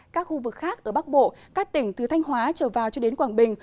các khu vực khác ở bắc bộ các tỉnh từ thanh hóa trở vào cho đến quảng bình